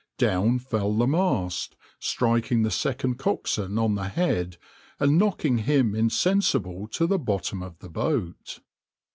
Down fell the mast, striking the second coxswain on the head, and knocking him insensible to the bottom of the boat.